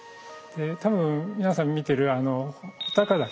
多分皆さん見てる穂高岳。